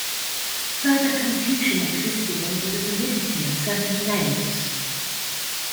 Further confusion existed over the validity of certain names.